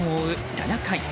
７回。